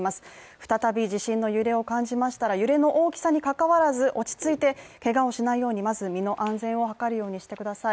再び地震の揺れを感じましたら揺れの大きさにかかわらず落ち着いてけがをしないようにまず身の安全を図るようにしてください。